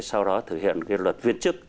sau đó thực hiện cái luật viên chức